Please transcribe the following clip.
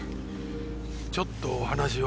ちょっとお話を。